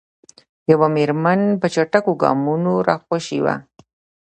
یوه میرمن په چټکو ګامونو راخوشې وه.